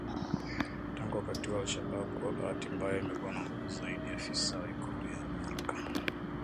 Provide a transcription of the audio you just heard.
Tangu wakati huo al Shabab kwa bahati mbaya imekuwa na nguvu zaidi afisa wa IKULU ya Amerka